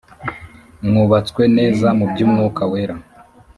mwubatswe neza mu byumwuka wera